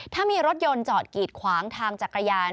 ถ้ามีรถยนต์จอดกีดขวางทางจักรยาน